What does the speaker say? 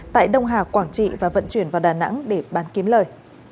tại đông hà quảng trị và vận chuyển vào đà nẵng để bán kiếm lời